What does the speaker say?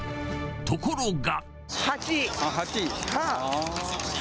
ところが。